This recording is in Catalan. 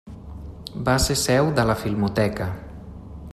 Va ser seu de la Filmoteca.